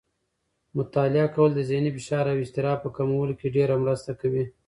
مطالعه کول د ذهني فشار او اضطراب په کمولو کې ډېره مرسته کوي.